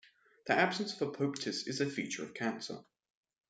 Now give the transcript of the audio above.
The absence of apoptosis is feature of cancer.